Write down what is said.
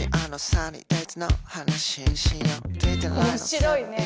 面白いね。